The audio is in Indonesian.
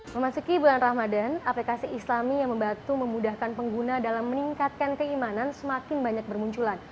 memasuki bulan ramadan aplikasi islami yang membantu memudahkan pengguna dalam meningkatkan keimanan semakin banyak bermunculan